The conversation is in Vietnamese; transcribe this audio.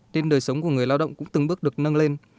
nên đời sống của người lao động cũng từng bước được nâng lên